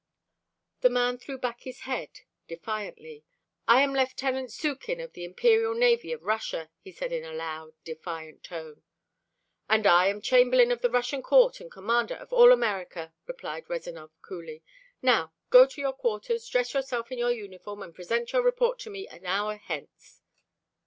The man threw back his head defiantly. "I am Lieutenant Sookin of the Imperial Navy of Russia," he said in a loud, defiant tone. "And I am Chamberlain of the Russian Court and Commander of all America," replied Rezanov coolly. "Now go to your quarters, dress yourself in your uniform, and present your report to me an hour hence."